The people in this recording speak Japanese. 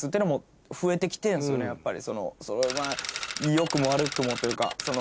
良くも悪くもというか。